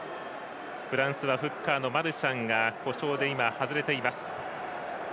フランスはフッカーのマルシャンが故障で今、外れています。